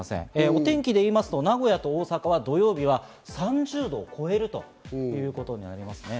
お天気でいいますと名古屋と大阪は土曜日は３０度を超えるということになりますね。